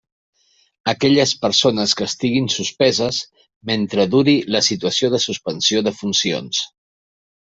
Aquelles persones que estiguin suspeses, mentre duri la situació de suspensió de funcions.